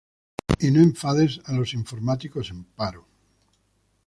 y no enfades a los informáticos en paro